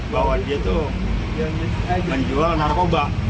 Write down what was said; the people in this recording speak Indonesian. bahwa dia itu menjual narkoba